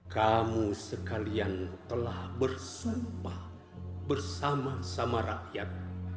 kamu sekalian telah bersumpah bersama sama rakyat